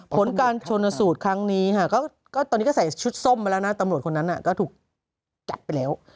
ผลการชนสูตรครั้งนี้ค่ะตอนนี้ก็ใส่ชุดส้มมาแล้วนะตำรวจคนนั้นก็ถูกจับไปแล้ว